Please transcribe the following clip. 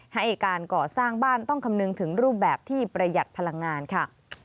ให้การก่อสร้างบ้านต้องคำนึงถึงรูปแบบที่ประหยัดพลังงานค่ะ